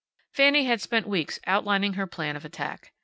Fanny had spent weeks outlining her plan of attack.